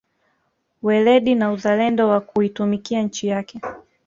Weledi na uzalendo wa kuitumikia nchi yake